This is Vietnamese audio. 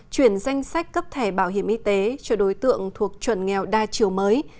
chuyển danh sách cấp thẻ bảo hiểm y tế cho đối tượng thuộc chuẩn nghèo đa chiều mới